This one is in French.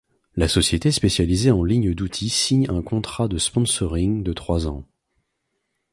La société spécialisée en lignes d'outils signe un contrat de sponsoring de trois ans.